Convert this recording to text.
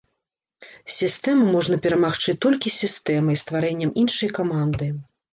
Сістэму можна перамагчы толькі сістэмай, стварэннем іншай каманды.